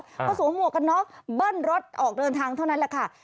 เขาสวมหมวกกันน็อกเบิ้ลรถออกเดินทางเท่านั้นแหละค่ะ